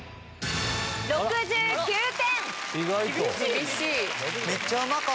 ６９点。